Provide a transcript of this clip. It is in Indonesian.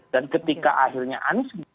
dan ketika akhirnya anies gita